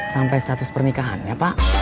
sampai status pernikahannya pak